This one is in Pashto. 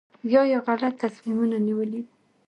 یا یې غلط تصمیمونه نیولي وي.